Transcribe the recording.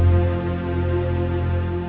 jadi kalau masalahnya selesai